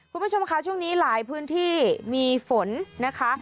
คุณผู้ชมค่ะช่วงนี้หลายพื้นที่มีฝนนะคะ